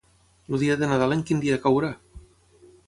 El dia de Nadal en quin dia caurà?